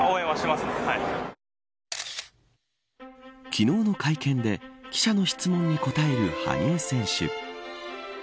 昨日の会見で記者の質問に答える羽生選手。